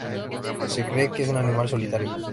Se cree que es un animal solitario.